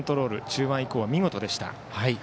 中盤以降は見事でした。